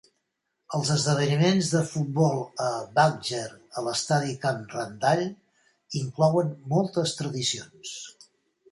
Els esdeveniments de futbol a Badger a l'estadi Camp Randall inclouen moltes tradicions.